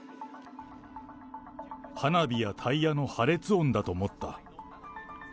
花火やタイヤの破裂音だと思った。